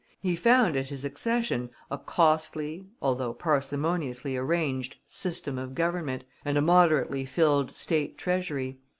He found at his accession a costly, although parsimoniously arranged system of government, and a moderately filled State Treasury.